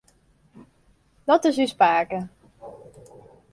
Dat is ús pake.